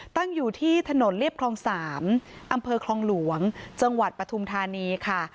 ตั้งอยู่ที่ถนนเรียบคลอง๓อำเภอคลองหลวงจังหวัดปฐุมธานีค่ะ